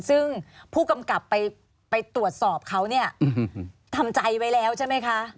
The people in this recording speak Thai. ซึ่งผู้กำกับไปตรวจสอบเขาเนี่ยทำใจไว้แล้วใช่ไหมคะ